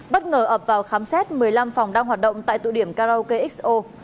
bất ngờ ập vào khám xét một mươi năm phòng đang hoạt động tại tụ điểm karo kxo